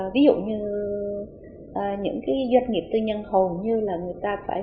ví dụ như những doanh nghiệp tư nhân hầu như là người ta phải